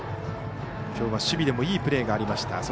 きょうは守備でもいいプレーがありました。